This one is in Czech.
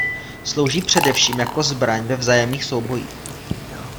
Slouží především jako zbraň ve vzájemných soubojích.